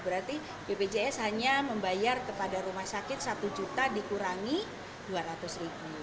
berarti bpjs hanya membayar kepada rumah sakit satu juta dikurangi dua ratus ribu